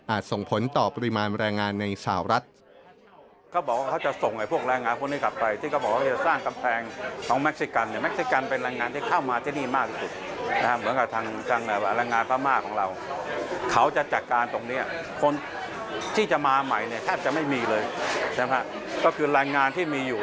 ส่งผลต่อปริมาณแรงงานในสหรัฐ